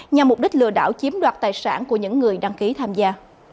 nhằm mục đích lừa đảo chiếm đoạt tài sản của những người đăng ký tham gia